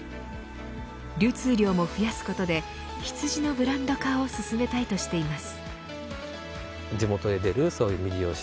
流通量も増やすことで羊のブランド化を進めたいとしています。